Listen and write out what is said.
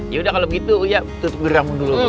yaudah kalau begitu ya tutup geram dulu